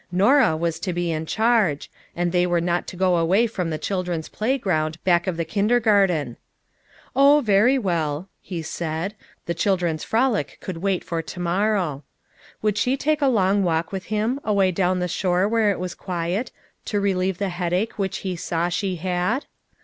Norah was to bo in charge, and they were not to go away from the children's playground back of the kinder garten. "Oh, very well," ho said, the chil dren's frolic could wait for to morrow. Would she take a long walk with him, away down the shore where it was quiet, to relieve the headache 342 FOUR MOTHERS AT CHAUTAUQUA which he saw she had?